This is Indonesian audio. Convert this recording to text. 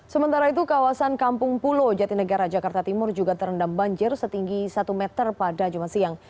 sementara itu kawasan kampung pulo jatinegara jakarta timur juga terendam banjir setinggi satu meter pada jumat siang